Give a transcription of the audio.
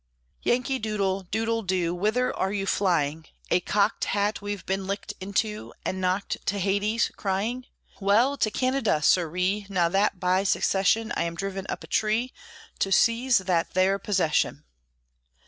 Yankee Doodle, Doodle, do, Whither are you flying, "A cocked hat we've been licked into, And knocked to Hades," crying? Well, to Canada, sir ree, Now that, by secession, I am driven up a tree, To seize that there possession.